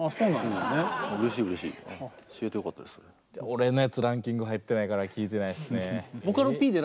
俺のやつランキング入ってないから聴いてないっすね。